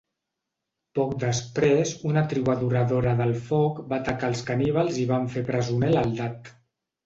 Poc després, una tribu adoradora del foc va atacar els caníbals i van fer presoner l'Eldad.